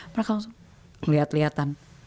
mereka langsung ngeliat liatan